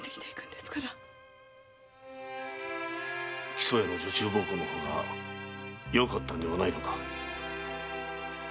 木曽屋の女中奉公の方がよかったのではないのか？